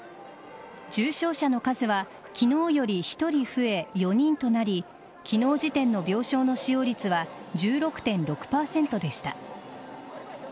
重症者の数は昨日より１人増え４人となり昨日時点の病床の使用率は１６．６％でした。